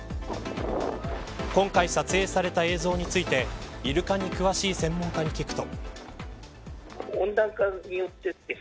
今回撮影された映像についてイルカに詳しい専門家に聞くと。